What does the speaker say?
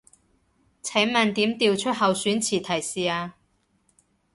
請問點調出候選詞提示啊